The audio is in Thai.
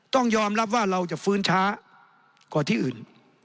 ต้องยอมรับว่าเราจะฟื้นช้ากว่าที่อื่น